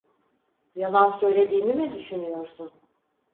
Yalan söylediğimi mi düşünüyorsun?